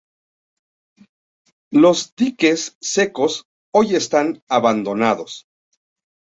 Los diques secos hoy están abandonados.